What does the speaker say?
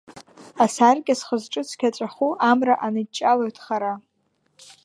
Асаркьа зхы-зҿы цқьа ҵәаху Амра аныҷҷалоит хара.